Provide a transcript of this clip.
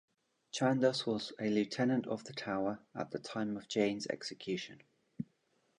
Chandos was a Lieutenant of the Tower at the time of Jane's execution.